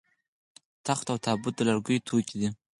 تخت او تابوت د لرګیو توکي دي